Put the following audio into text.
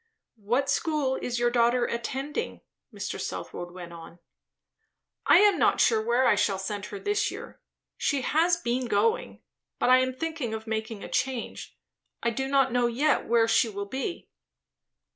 "What school is your daughter attending?" Mr. Southwode went on. "I am not sure where I shall send her this year. She has been going But I am thinking of making a change. I do not know yet where she will be."